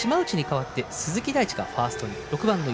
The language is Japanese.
５番の島内に代わって鈴木大地がファースト。